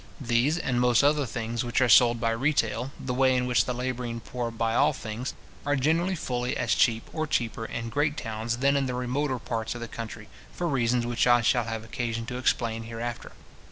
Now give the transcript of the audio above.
These, and most other things which are sold by retail, the way in which the labouring poor buy all things, are generally fully as cheap, or cheaper, in great towns than in the remoter parts of the country, for reasons which I shall have occasion to explain hereafter.